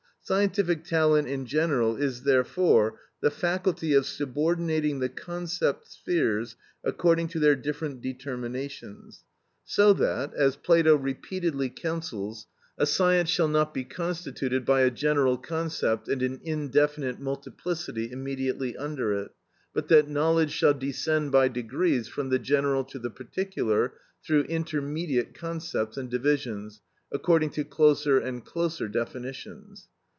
Scientific talent in general is, therefore, the faculty of subordinating the concept spheres according to their different determinations, so that, as Plato repeatedly counsels, a science shall not be constituted by a general concept and an indefinite multiplicity immediately under it, but that knowledge shall descend by degrees from the general to the particular, through intermediate concepts and divisions, according to closer and closer definitions.